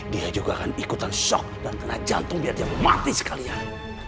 dia juga akan ikutan shock dan kena jantung biar dia mati sekalian